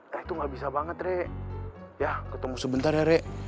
rek itu gak bisa banget rek ya ketemu sebentar ya rek